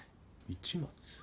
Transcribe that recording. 市松？